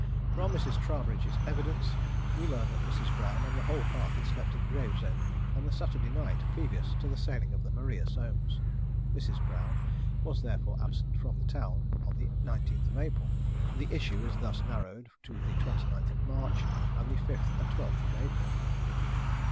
From Mrs. Troubridge's evidence we learn that Mrs. Brown and the whole party slept at Gravesend on the Saturday night previous to the sailing of the Maria Somes. Mrs. Brown was therefore absent from town on the 19th April. The issue is thus narrowed to the 29th March and the 5th and 12th April.